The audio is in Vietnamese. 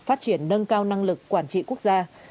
phát triển nâng cao năng lực quản trị quốc gia